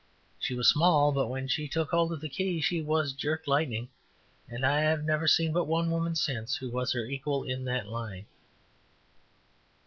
She was small, but when she took hold of the key, she was jerked lightning, and I have never seen but one woman since who was her equal in that line.